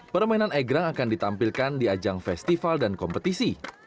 permainan egrang akan ditampilkan di ajang festival dan kompetisi